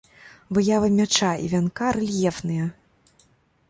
Выява мяча і вянка рэльефныя.